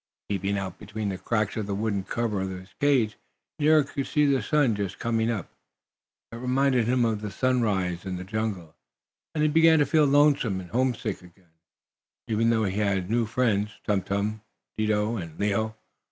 Peeping out between the cracks of the wooden cover of his cage, Nero could see the sun just coming up. It reminded him of the sunrise in the jungle, and he began to feel lonesome and homesick again, even though he had new friends Tum Tum, Dido and Leo.